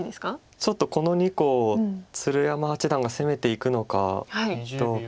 ちょっとこの２個を鶴山八段が攻めていくのかどうか。